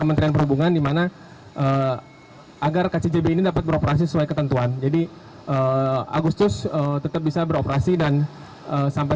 kementerian perhubungan dan tiga konsultan dikabarkan menolak rencana kcic yang bakal melakukan operasional